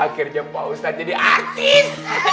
akhirnya pak ustadz jadi artis